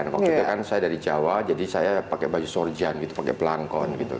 waktu itu kan saya dari jawa jadi saya pakai baju sorjan gitu pakai pelangkon gitu